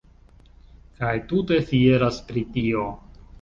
Kaj tute fieras pri tio!